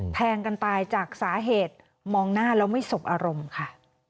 แทงกันตายจากสาเหตุมองหน้าแล้วไม่สบอารมณ์ค่ะ